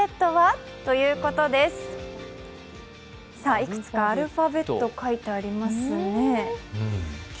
いくつかアルファベット、書いてありますね。